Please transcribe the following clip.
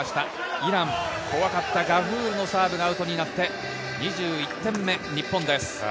イランは怖かったガフールのサーブがアウトになって２１点目、日本です。